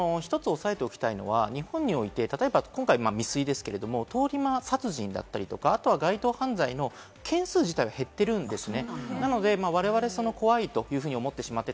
１つ、おさえておきたいのは、日本において例えば今回は未遂ですけれども、通り魔殺人だったり、街頭犯罪の件数自体は減ってるんですね。